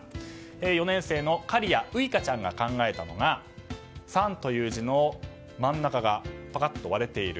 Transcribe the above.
４年生のカリヤ・ウイカちゃんが考えたのが算という字の真ん中がパカッと割れている。